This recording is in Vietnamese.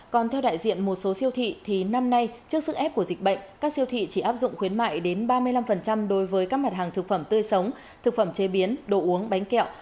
còn theo đại diện một số siêu thị thì năm nay trước sức ép của dịch bệnh các siêu thị chỉ áp dụng khuyến mại đến ba mươi năm đối với các mặt hàng thực phẩm tươi sống thực phẩm chế biến đồ uống bánh kẹo